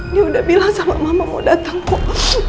dia udah bilang sama mama mau datang kok